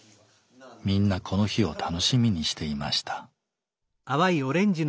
みんなこの日を楽しみにしていました。